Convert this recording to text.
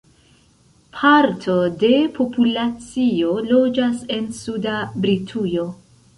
Parto de populacio loĝas en suda Britujo.